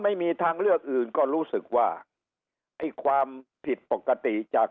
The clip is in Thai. ไม่มีทางเลือกอื่นก็รู้สึกว่าไอ้ความผิดปกติจาก